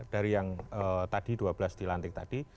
dari yang tadi dua belas di lantik tadi